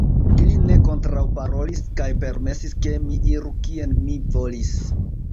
Ili ne kontraŭparolis, kaj permesis, ke mi iru, kien mi volis.